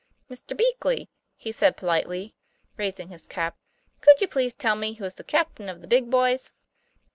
'Mr. Beakey," he said, politely raising his cap, "could you please tell me who is the captain of the big boys?"